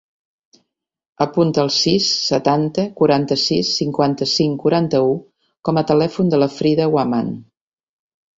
Apunta el sis, setanta, quaranta-sis, cinquanta-cinc, quaranta-u com a telèfon de la Frida Huaman.